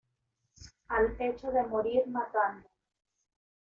al hecho de morir matando